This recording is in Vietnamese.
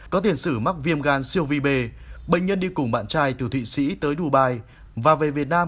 có tiền sử mắc viêm gan siêu vi bề bệnh nhân đi cùng bạn trai từ thụy sĩ tới đu bài và về việt nam